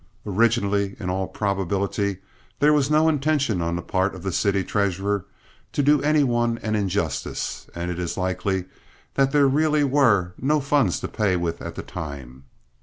Originally, in all probability, there was no intention on the part of the city treasurer to do any one an injustice, and it is likely that there really were no funds to pay with at the time.